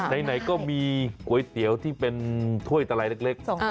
ไหนก็มีก๋วยเตี๋ยวที่เป็นถ้วยตรายเล็ก